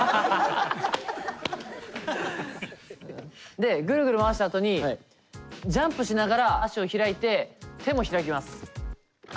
でぐるぐる回したあとにジャンプしながら足を開いて手も開きます。